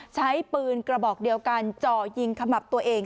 ใช้ปืนกระบอกเดียวกันจ่อยิงขมับตัวเอง